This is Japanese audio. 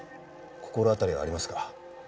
心当たりはありますか？